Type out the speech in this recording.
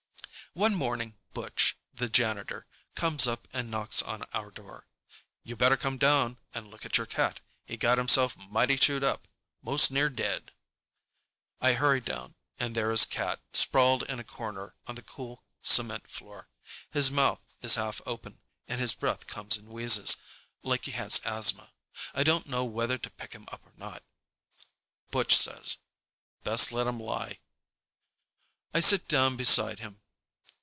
One morning Butch, the janitor, comes up and knocks on our door. "You better come down and look at your cat. He got himself mighty chewed up. Most near dead." I hurry down, and there is Cat sprawled in a corner on the cool cement floor. His mouth is half open, and his breath comes in wheezes, like he has asthma. I don't know whether to pick him up or not. Butch says, "Best let him lie." I sit down beside him.